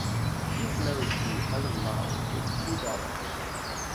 He is married to Helen Lau with two daughters.